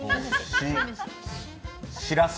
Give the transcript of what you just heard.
しらす。